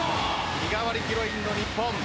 日替わりヒロインの日本。